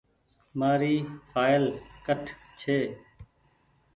مآريِ ڦآئل ڪٺ ڇي۔